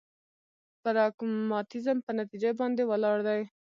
پراګماتيزم په نتيجه باندې ولاړ دی.